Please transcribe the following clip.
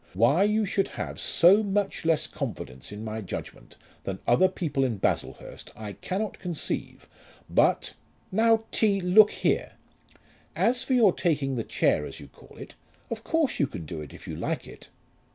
Why you should have so much less confidence in my judgment than other people in Baslehurst, I cannot conceive; but " "Now, T., look here; as for your taking the chair as you call it, of course you can do it if you like it."